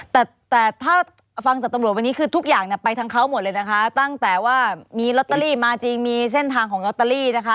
แต่แต่ถ้าฟังจากตำรวจวันนี้คือทุกอย่างเนี่ยไปทั้งเขาหมดเลยนะคะตั้งแต่ว่ามีลอตเตอรี่มาจริงมีเส้นทางของลอตเตอรี่นะคะ